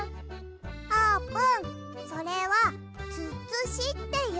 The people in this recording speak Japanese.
あーぷんそれは「つつし」っていうんだよ。